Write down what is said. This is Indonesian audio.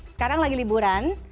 sekarang lagi liburan